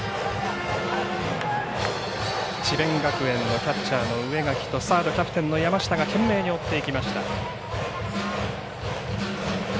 智弁学園のキャッチャー植垣とサードキャプテンの山下が懸命に追っていきました。